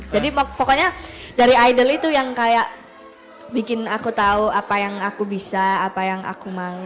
jadi pokoknya dari idol itu yang kayak bikin aku tau apa yang aku bisa apa yang aku mau gitu